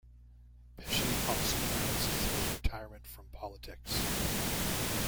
Pesce also announces his retirement from politics.